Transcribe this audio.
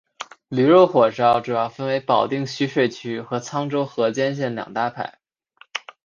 驴肉火烧主要分为保定徐水区和沧州河间县两大派。